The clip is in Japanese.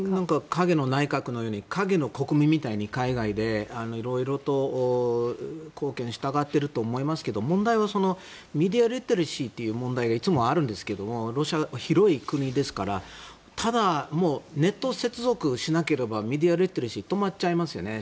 影の内閣のように影の国民みたいに海外でいろいろ貢献したがっていると思いますけど問題はメディアリテラシーという問題があるんですけどロシアは広い国ですからただ、ネット接続しなければメディアリテラシーは止まっちゃいますよね。